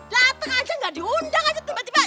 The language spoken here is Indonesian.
dateng aja gak diundang aja tiba tiba